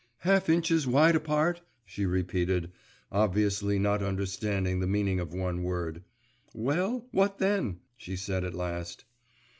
'Half inches wide apart,' she repeated, obviously not understanding the meaning of one word. 'Well, what then?' she said at last.